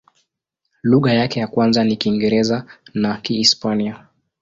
Lugha yake ya kwanza ni Kiingereza na Kihispania.